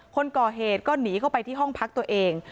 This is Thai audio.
คนก่อเหตุก็หนีเข้าไปที่ห้องพักตัวเอง